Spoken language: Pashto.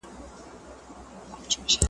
ایا ته غواړې پوه سې؟